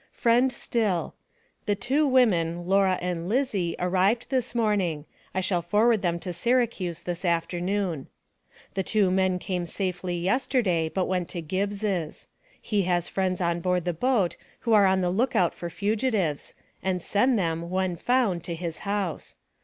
FRIEND STILL: The two women, Laura and Lizzy, arrived this morning. I shall forward them to Syracuse this afternoon. The two men came safely yesterday, but went to Gibbs'. He has friends on board the boat who are on the lookout for fugitives, and send them, when found, to his house.